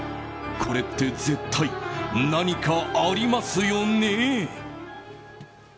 これって絶対何かありますよね？